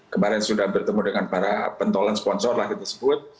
kemarin sudah bertemu dengan para pentolan sponsor lah kita sebut